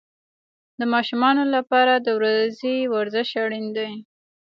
د ماشومانو لپاره د ورځې ورزش اړین دی.